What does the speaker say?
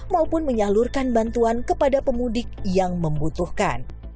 maupun menyalurkan bantuan kepada pemudik yang membutuhkan